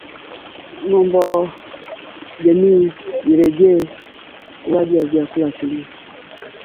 "Mipango ya Rais wa Urusi wa kuikamata Ukraine haraka ni wazi sasa imeshindwa", alisema Marekani kuhusu uvamizi huo wa wiki mbili